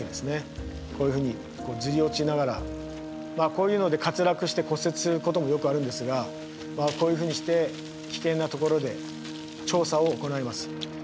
こういうので滑落して骨折することもよくあるんですがこういうふうにして危険なところで調査を行います。